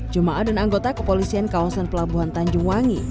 jemaah dan anggota kepolisian kawasan pelabuhan tanjungwangi